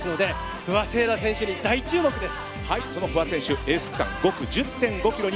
不破聖衣来選手に大注目です。